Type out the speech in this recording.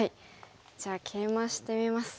じゃあケイマしてみます。